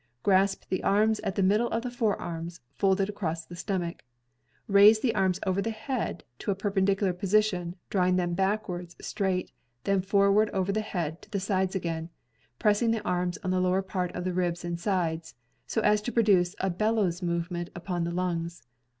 Grasp the arms at the middle of the forearms, folded across the stomach, raise the arms over the head to a perpendicular position, drawing them backwards straight, then forward overhead to the sides again, pressing the arms on the lower part of the ribs and sides, so as to produce a bellows movement upon the lungs.